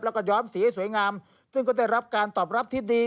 แล้วก็ย้อมสีให้สวยงามซึ่งก็ได้รับการตอบรับที่ดี